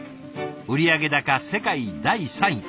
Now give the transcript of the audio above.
売上高世界第３位。